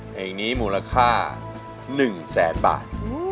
เพลงนี้มูลค่า๑๐๐๐๐๐บาท